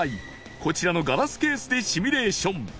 こちらのガラスケースでシミュレーション